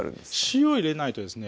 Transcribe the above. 塩入れないとですね